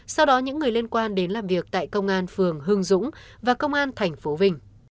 sau đó những người liên quan đến làm việc tại công an phường hương dũng và công an tp vinh